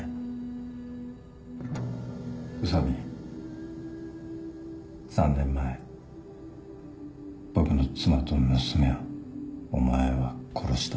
宇佐美３年前僕の妻と娘をお前は殺した。